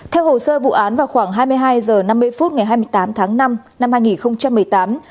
theo hồ sơ vụ án vào khoảng hai mươi hai h năm mươi phút ngày hai mươi tám tháng năm năm hai nghìn một mươi tám